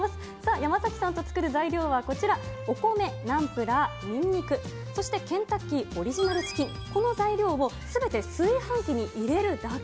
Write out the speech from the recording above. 山崎さんと作る材料はこちら、お米、ナンプラー、にんにく、そしてケンタッキーオリジナルチキン、この材料をすべて炊飯器に入れるだけ。